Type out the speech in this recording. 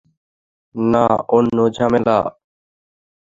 না, অন্য ঝামেলা।